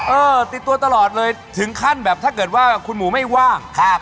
เออติดตัวตลอดเลยถึงขั้นแบบถ้าเกิดว่าคุณหมูไม่ว่าง